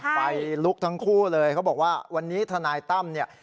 ไฟลุกทั้งคู่เลยเขาบอกว่าวันนี้ทนายตั้มเนี่ย